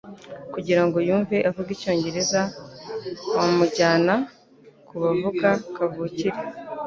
Kugira ngo yumve avuga icyongereza, wamujyana kubavuga kavukire